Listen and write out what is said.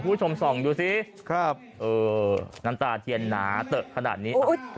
คุณผู้ชมส่องดูสิครับเออน้ำตาเทียนหนาเตอะขนาดนี้